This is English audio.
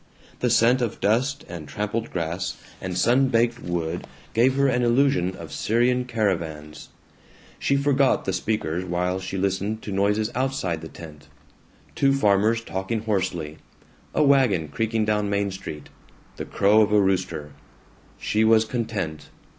The scent of dust and trampled grass and sun baked wood gave her an illusion of Syrian caravans; she forgot the speakers while she listened to noises outside the tent: two farmers talking hoarsely, a wagon creaking down Main Street, the crow of a rooster. She was content.